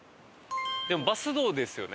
でもバス道ですよね？